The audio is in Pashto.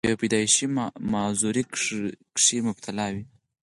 پۀ يو پېدائشي معذورۍ کښې مبتلا وي،